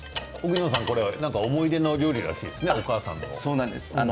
思い出のお料理らしいですね、お母さんの。